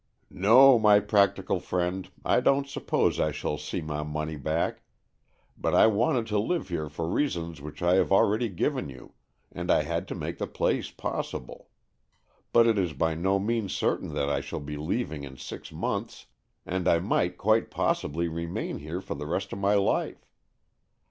" No, my practical friend, I don't suppose I shall see my money back, but I wanted to live here for reasons which I have already AN EXCHANGE OF SOULS 57 given you, and I had to make the place possible; but it is by no means certain that I shall be leaving in six months, and I might quite possibly remain here for the rest of my life.